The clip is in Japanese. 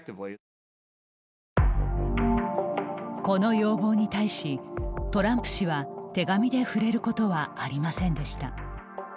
この要望に対しトランプ氏は手紙で触れることはありませんでした。